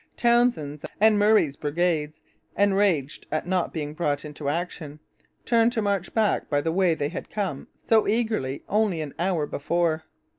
Townshend's and Murray's brigades, enraged at not being brought into action, turned to march back by the way they had come so eagerly only an hour before.